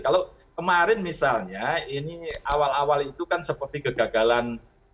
kalau kemarin misalnya ini awal awal itu kan seperti kegagalan